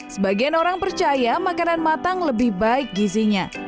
sebagian orang percaya makanan matang lebih baik gizinya